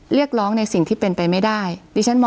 เรียกร้องในสิ่งที่เป็นไปไม่ได้ดิฉันมอง